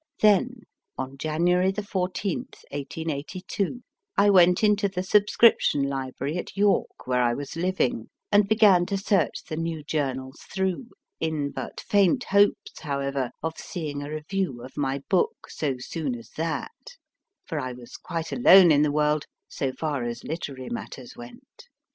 Then, on January 14, 1882, I went into the Subscription Library at York, where I was living, and began to search the new journals through, in but faint hopes, however, of seeing a review of my book so soon as that ; for I was quite alone in the world, so far as literary matters went.